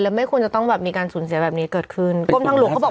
ไม่ควรจะต้องแบบมีการสูญเสียแบบนี้เกิดขึ้นกรมทางหลวงเขาบอก